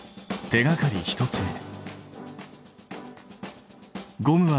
手がかり２つ目。